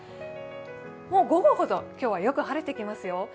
午後ほど今日はよく晴れてきますよ。